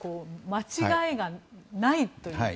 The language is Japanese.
間違いがないという。